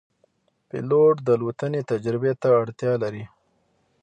پیلوټ د الوتنې تجربې ته اړتیا لري.